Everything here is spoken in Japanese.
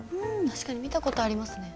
確かに見た事ありますね。